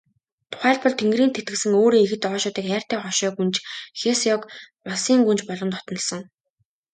Тухайлбал, Тэнгэрийн тэтгэсэн өөрийн ихэд ойшоодог хайртай хошой гүнж Хэсяог улсын гүнж болгон дотнолсон.